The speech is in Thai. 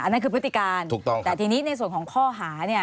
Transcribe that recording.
นั่นคือพฤติการถูกต้องแต่ทีนี้ในส่วนของข้อหาเนี่ย